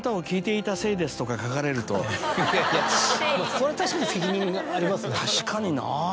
それは確かに責任がありますね。